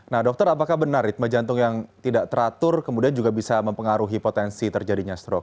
nah dokter apakah benar ritme jantung yang tidak teratur kemudian juga bisa mempengaruhi potensi terjadinya stroke